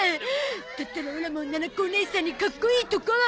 だったらオラもななこおねいさんにかっこいいとこを！